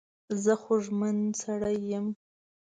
زه خوږمن سړی یم.